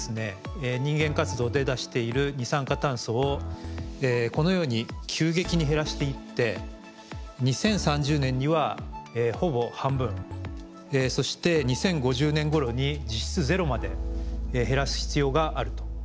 人間活動で出している二酸化炭素をこのように急激に減らしていって２０３０年にはほぼ半分そして２０５０年ごろに実質ゼロまで減らす必要があると。